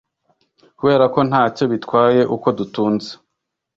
Kuberako ntacyo bitwaye uko dutunze